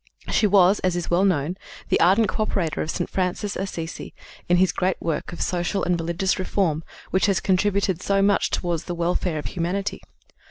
She was, as is well known, the ardent coöperator of St. Francis Assisi in his great work of social and religious reform which has contributed so much toward the welfare of humanity.